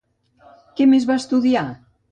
Qué més va estudiar?